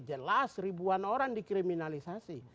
jelas ribuan orang dikriminalisasi